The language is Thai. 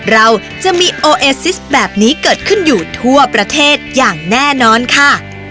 เราจะมีโอเอซิสแบบนี้เกิดขึ้นอยู่ทั่วประเทศอย่างแน่นอนค่ะ